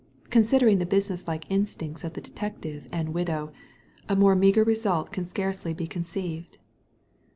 Considering the business like instincts of detective and widow, a more meagre result can scarcely be conceived.